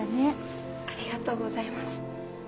ありがとうございます。